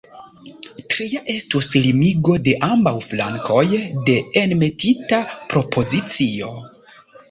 Tria estus limigo de ambaŭ flankoj de enmetita propozicio.